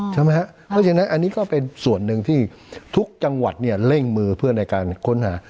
เพราะฉะนั้นอันนี้ก็เป็นส่วนหนึ่งที่ทุกจังหวัดเนี่ยเร่งมือเพื่อในการค้นหา